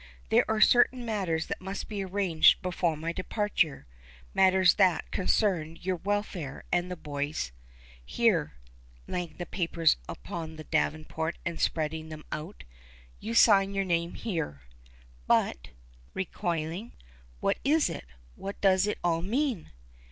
"There are certain matters that must be arranged before my departure matters that concern your welfare and the boy's. Here," laying the papers upon the davenport and spreading them out. "You sign your name here." "But," recoiling, "what is it? What does it all mean?"